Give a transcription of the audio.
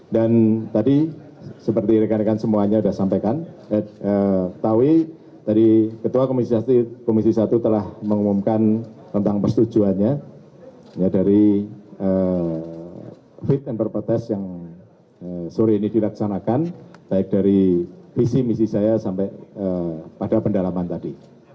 dan tadi seperti rekan rekan semuanya sudah sampaikan tawi ketua komisi satu telah mengumumkan tentang persetujuannya dari fit and purpose test yang sore ini dilaksanakan baik dari visi misi saya sampai pada pendalaman tadi